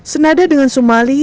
senada dengan sumali